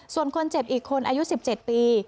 ส่วนคนเจ็บอีกคนอายุ๑๗ปี